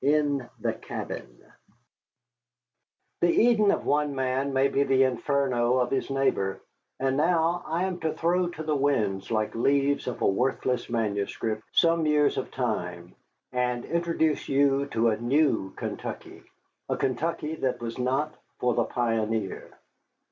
IN THE CABIN The Eden of one man may be the Inferno of his neighbor, and now I am to throw to the winds, like leaves of a worthless manuscript, some years of time, and introduce you to a new Kentucky, a Kentucky that was not for the pioneer.